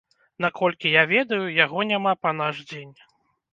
Наколькі я ведаю, яго няма па наш дзень.